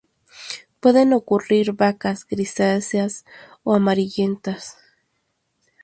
Pueden ocurrir vacas grisáceas o amarillentas.